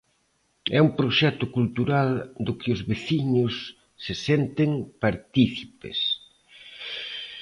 É un proxecto cultural do que os veciños se senten partícipes.